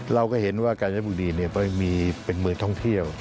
เราก็เห็นว่ากาญบุรีมีเป็นเมืองท่องเที่ยว